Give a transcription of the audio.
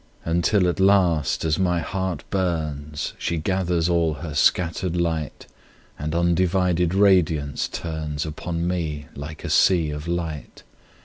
Until at last, as my heart burns, She gathers all her scatter'd light, And undivided radiance turnsUpon me like a sea of light.